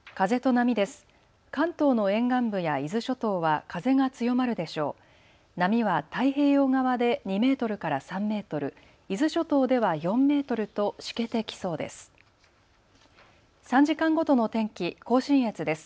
波は太平洋側で２メートルから３メートル、伊豆諸島では４メートルとしけてきそうです。